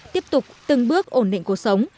tiếp tục từng bước ổn định cuộc sống